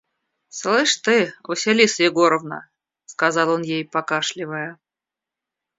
«Слышь ты, Василиса Егоровна, – сказал он ей покашливая.